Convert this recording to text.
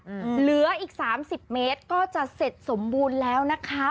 เหลืออีกสามสิบเมตรก็จะเสร็จสมบูรณ์แล้วนะคะ